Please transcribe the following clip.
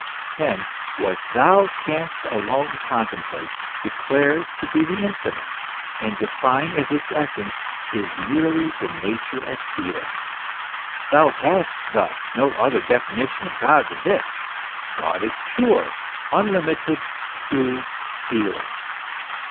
Hence what thou canst alone contem plate, declare to be the infinite, and define as its essence, is merely the nature of feeling. Thou hast thus no other defi nition of God than this ; God is pure, unlimited, free Feeling.